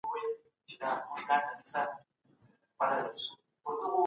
ډګر څېړونکی له خلکو سره نږدې اړیکي ساتي.